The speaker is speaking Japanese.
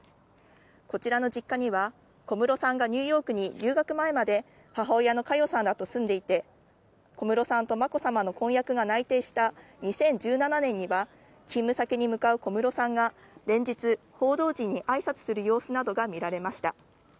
こちらの実家には小室さんがニューヨークに留学前まで母親の佳代さんらと住んでいて、小室さんとまこさまの婚約が内定した２０１７年には勤務先に向かう小室さんが連日、報道陣に挨拶する様子などが見られました。